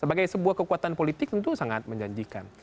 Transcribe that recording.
sebagai sebuah kekuatan politik tentu sangat menjanjikan